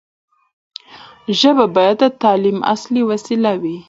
ژبه باید د تعلیم اصلي وسیله وي.